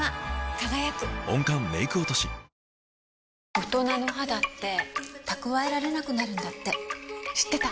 大人の肌って蓄えられなくなるんだって知ってた？